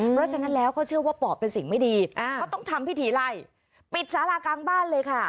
เพราะฉะนั้นแล้วเขาเชื่อว่าปอบเป็นสิ่งไม่ดีเขาต้องทำพิธีไล่ปิดสารากลางบ้านเลยค่ะ